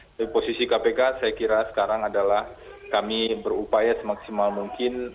tapi posisi kpk saya kira sekarang adalah kami berupaya semaksimal mungkin